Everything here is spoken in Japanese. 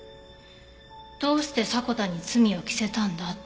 どうして迫田に罪を着せたんだって。